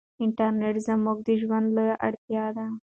انټرنيټ زموږ د ژوند لویه اړتیا ده.